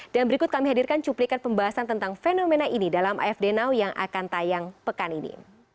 dan berikut kami hadirkan cuplikan pembahasan tentang fenomena ini dalam afd now yang akan tayang pekan ini